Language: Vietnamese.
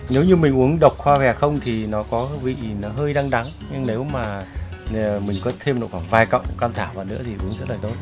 nếu như mình uống độc hoa hòe không thì nó có vị hơi đắng đắng nhưng nếu mà mình có thêm khoảng vài cộng cam thảo vào nữa thì uống rất là tốt